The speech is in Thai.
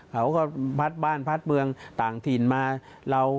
เขาก็พัดบ้านพัดเมืองต่างถิ่นมา